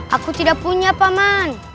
aku tidak punya paman